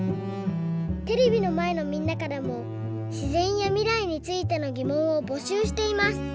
テレビのまえのみんなからもしぜんやみらいについてのぎもんをぼしゅうしています。